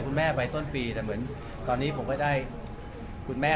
ทำบ้านก็ไม่ได้เลือกร้องอะไรเลย